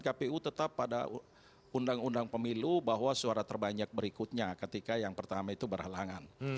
kpu tetap pada undang undang pemilu bahwa suara terbanyak berikutnya ketika yang pertama itu berhalangan